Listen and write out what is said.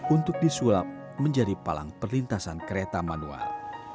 untuk disulap menjadi palang perlintasan kereta manual